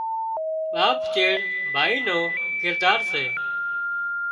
ٻاپ چيڙ ڀائي نو ڪردار سي